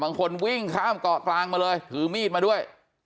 บางคนวิ่งข้ามเกาะกลางมาเลยถือมีดมาด้วย